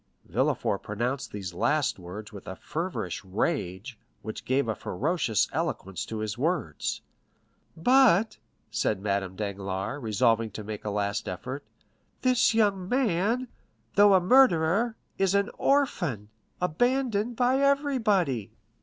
Villefort pronounced these last words with a feverish rage, which gave a ferocious eloquence to his words. "But"' said Madame Danglars, resolving to make a last effort, "this young man, though a murderer, is an orphan, abandoned by everybody."